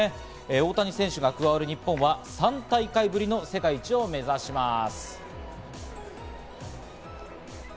大谷選手が加わる日本は３大会ぶりの世界一を目指します。